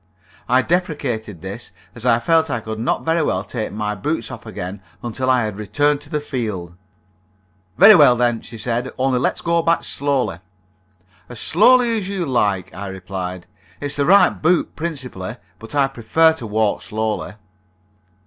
I deprecated this, as I felt that I could not very well take my boots off again until I had returned to the field. "Very well, then," she said. "Only let's go back slowly." "As slowly as you like," I replied. "It's the right boot principally; but I prefer to walk slowly."